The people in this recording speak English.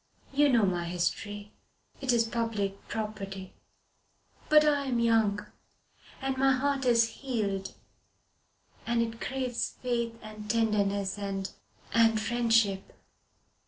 You know my history. It is public property. But I am young. And my heart is healed and it craves faith and tenderness and and friendship.